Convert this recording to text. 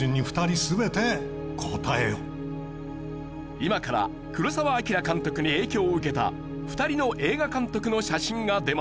今から黒澤明監督に影響を受けた２人の映画監督の写真が出ます。